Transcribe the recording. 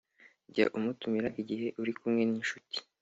jya umutumira igihe uri kumwe n’inshuti